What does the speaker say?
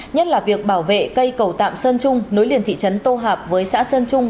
nhất là việc bảo vệ cây cầu tạm sơn trung nối liền thị trấn tô hạp với xã sơn trung